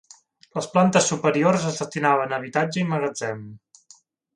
Les plantes superiors es destinaven a habitatge i magatzem.